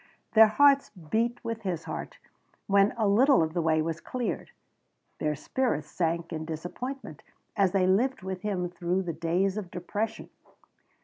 Their hearts beat with his heart when a little of the way was cleared; their spirits sank in disappointment as they lived with him through the days of depression.